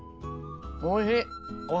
おいしい。